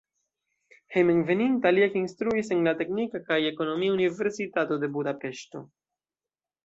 Hejmenveninta li ekinstruis en Teknika kaj Ekonomia Universitato de Budapeŝto.